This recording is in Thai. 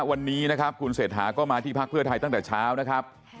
วันนี้นะครับคุณเศรษฐาก็มาที่พักเพื่อไทยตั้งแต่เช้านะครับ